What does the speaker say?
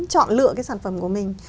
chọn lựa cái sản phẩm của mình